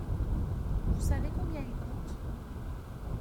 Vous savez combien il coûte ?